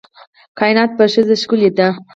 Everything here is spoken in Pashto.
کائنات په ښځه ښکلي دي